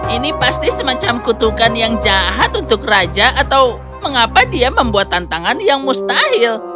ini pasti semacam kutukan yang jahat untuk raja atau mengapa dia membuat tantangan yang mustahil